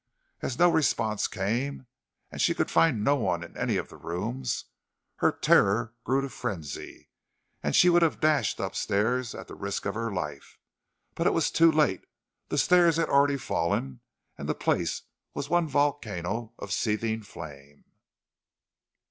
As no response came and she could find no one in any of the rooms, her terror grew to frenzy and she would have dashed up stairs at the risk of her life. But it was too late; the stairs had already fallen, and the place was one volcano of seething flame.